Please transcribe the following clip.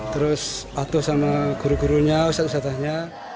terus patuh sama guru gurunya usaha usahanya